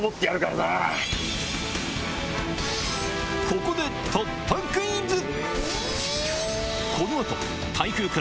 ここで突破クイズ！